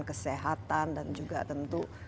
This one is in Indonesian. kesehatan dan juga tentu